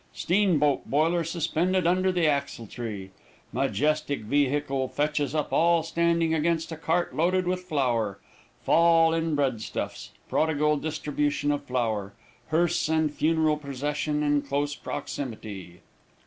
Steamboat boiler suspended under the axletree. Majestic vehicle fetches up all standing against a cart loaded with flour. Fall in breadstuffs. Prodigal distribution of flour. Hearse and funeral procession in close proximity.